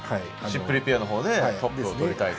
シップリペアのほうでトップを取りたいと。